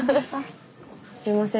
すいません